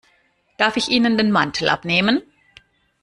Darf ich Ihnen den Mantel abnehmen?